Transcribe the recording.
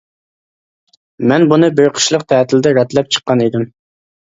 مەن بۇنى بىر قىشلىق تەتىلدە رەتلەپ چىققان ئىدىم.